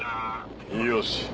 よし。